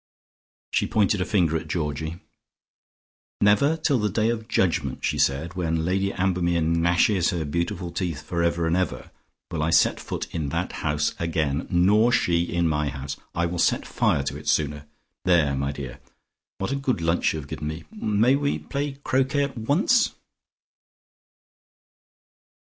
She pointed a finger at Georgie. "Never till the day of judgment," she said, "when Lady Ambermere gnashes her beautiful teeth for ever and ever, will I set foot in that house again. Nor she in my house. I will set fire to it sooner. There! My dear, what a good lunch you have given me. May we play croquet at once?"